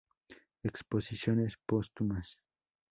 Exposiciones Póstumas